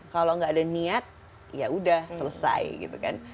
kalau nggak ada niat ya udah selesai gitu kan